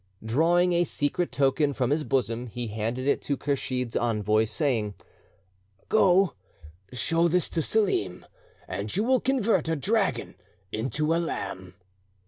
Drawing a secret token from his bosom, he handed it to Kursheed's envoy, saying, "Go, show this to Selim, and you will convert a dragon into a lamb."